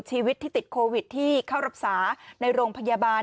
ชีวิตที่ติดโควิดที่เข้ารักษาในโรงพยาบาล